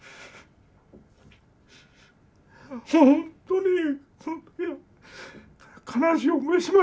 本当に本当に悲しい思いしました。